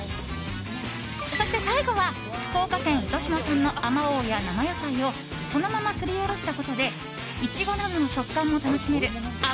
そして最後は福岡県糸島産のあまおうや生野菜をそのまますりおろしたことでイチゴなどの食感も楽しめるあ